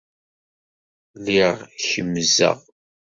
Lliɣ kemmzeɣ.